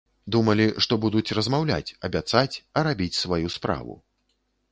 Думалі, што будуць размаўляць, абяцаць, а рабіць сваю справу.